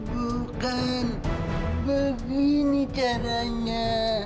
bukan begini caranya